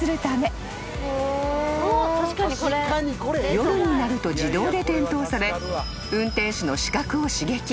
［夜になると自動で点灯され運転手の視覚を刺激］